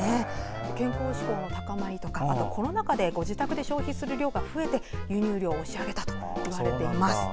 健康志向の高まりやコロナ禍でご自宅で消費する量が増えて輸入量を押し上げたといわれています。